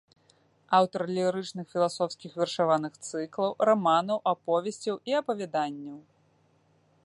Аўтар лірычных філасофскіх вершаваных цыклаў, раманаў, аповесцяў і апавяданняў.